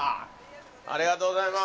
ありがとうございます。